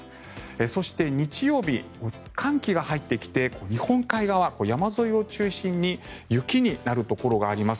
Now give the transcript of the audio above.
そして日曜日寒気が入ってきて日本海側、山沿いを中心に雪になるところがあります。